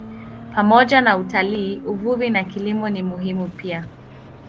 Pamoja na utalii, uvuvi na kilimo ni muhimu pia.